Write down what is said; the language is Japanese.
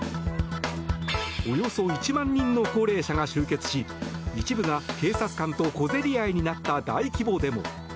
およそ１万人の高齢者が集結し一部が警察官と小競り合いになった大規模デモ。